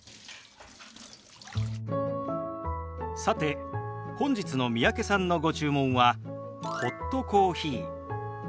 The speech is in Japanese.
さて本日の三宅さんのご注文はホットコーヒー。